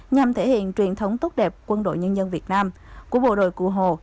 nhằm thể hiện truyền thống tốt đẹp quân đội nhân dân việt nam của bộ đội cụ hồ